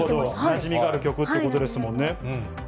なじみがある曲ってことですもんね。